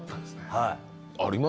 はい。